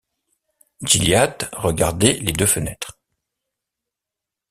Gilliatt regardait les deux fenêtres.